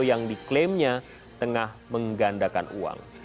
yang diklaimnya tengah menggandakan uang